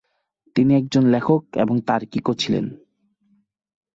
তিনি একজন লেখক এবং তার্কিকও ছিলেন।